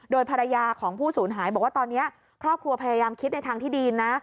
โดยภรรยาของผู้สูญหายบอกว่าตอนนี้ครอบครัวพยายามคิดในทางที่ดีนะ